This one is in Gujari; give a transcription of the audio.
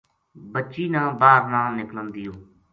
بچی نا باہر نہ نِکلن دیوں